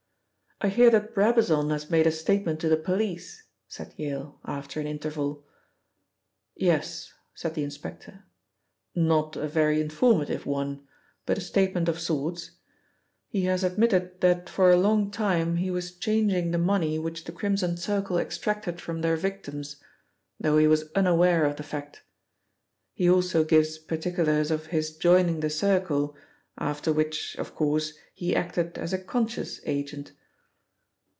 "I hear that Brabazon has made a statement to the police," said Yale, after an interval. "Yes," said the inspector. "Not a very informative one, but a statement of sorts. He has admitted that for a long time he was changing the money which the Crimson Circle extracted from their victims, though he was unaware of the fact. He also gives particulars of his joining the Circle, after which, of course, he acted as a conscious agent."